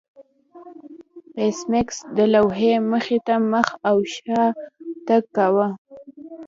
ایس میکس د لوحې مخې ته مخ او شا تګ کاوه